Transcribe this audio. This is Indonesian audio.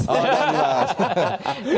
oh jangan dibahas